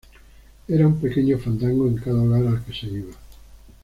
Era un pequeño fandango en cada hogar al que se iba.